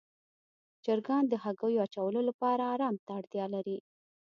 چرګان د هګیو اچولو لپاره آرام ته اړتیا لري.